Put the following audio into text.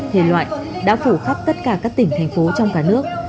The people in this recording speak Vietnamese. thể loại đã phủ khắp tất cả các tỉnh thành phố trong cả nước